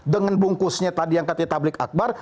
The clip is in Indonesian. dengan bungkusnya tadi yang katanya tablik akbar